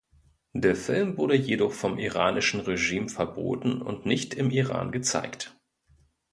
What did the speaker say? Der Film wurde jedoch vom iranischen Regime verboten und nicht im Iran gezeigt.